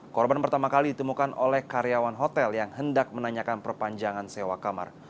korban pertama kali ditemukan oleh karyawan hotel yang hendak menanyakan perpanjangan sewa kamar